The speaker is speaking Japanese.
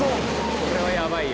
これはやばいよ